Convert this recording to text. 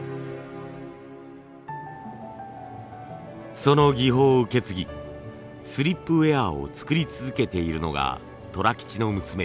その技法を受け継ぎスリップウェアを作り続けているのが虎吉の娘